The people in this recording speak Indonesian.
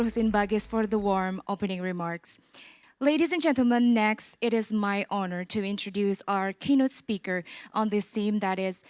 saya berhak memperkenalkan pembicara kami di sini yaitu